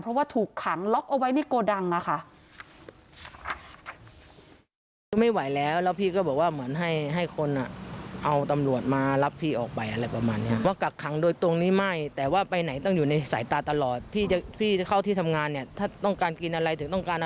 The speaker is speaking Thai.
เพราะว่าถูกขังล็อกเอาไว้ในโกดังอะค่ะ